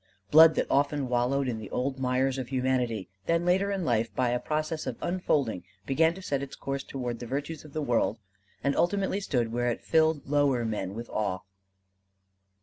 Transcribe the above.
Blood that often wallowed in the old mires of humanity; then later in life by a process of unfolding began to set its course toward the virtues of the world and ultimately stood where it filled lower men with awe.